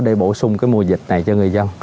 để bổ sung cái mùa dịch này cho người dân